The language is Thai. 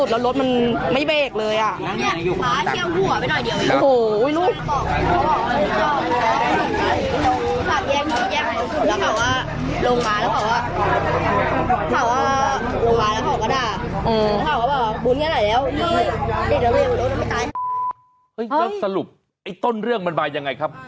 แล้วสรุปไอ้ต้นเรื่องมันมายังไงครับ